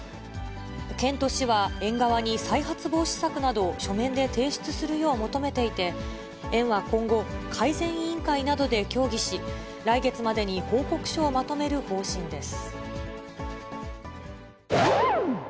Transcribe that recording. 県と市は、園側に再発防止策などを書面で提出するよう求めていて、園は今後、改善委員会などで協議し、来月までに報告書をまとめる方針です。